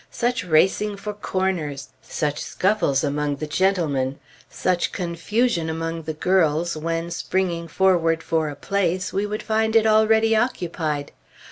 Such racing for corners! Such scuffles among the gentlemen! Such confusion among the girls when, springing forward for a place, we would find it already occupied!